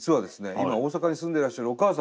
今大阪に住んでいらっしゃるお母様。